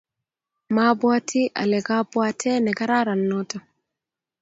mobwoti ale kabwate nekararan noto